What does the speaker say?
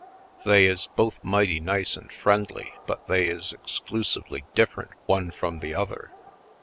They is both mighty nice and friendly but they is exclusively different one from the other.